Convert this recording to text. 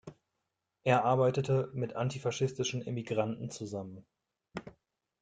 Er arbeitete mit antifaschistischen Emigranten zusammen.